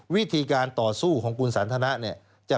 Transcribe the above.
วิธีการต่อสู้ของคุณสันทนะเนี่ย